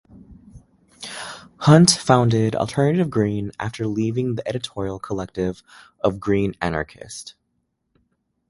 Hunt founded "Alternative Green" after leaving the editorial collective of "Green Anarchist".